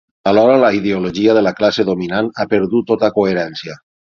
Alhora, la ideologia de la classe dominant ha perdut tota coherència.